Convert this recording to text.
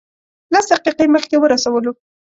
لس دقیقې مخکې ورسولو.